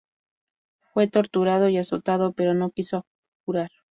Fue torturado y azotado, pero no quiso abjurar.